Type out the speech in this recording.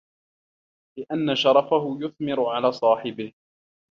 لِأَنَّ شَرَفَهُ يُثْمِرُ عَلَى صَاحِبِهِ